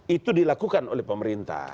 itu dilakukan oleh pemerintah